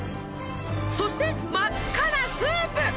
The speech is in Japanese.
そして真っ赤なスープ！